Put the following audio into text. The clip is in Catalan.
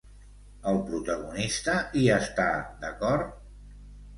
El protagonista hi està d'acord?